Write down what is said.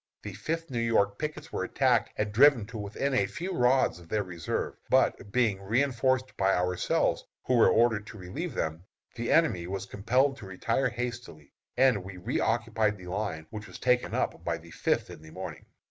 the Fifth New York pickets were attacked and driven to within a few rods of their reserve; but being reënforced by ourselves, who were ordered to relieve them, the enemy was compelled to retire hastily, and we reoccupied the line which was taken up by the Fifth in the morning.